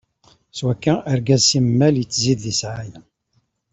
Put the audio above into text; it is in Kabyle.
Swakka, argaz simmal ittzid di ssɛaya.